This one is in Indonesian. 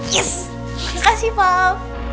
yes makasih pak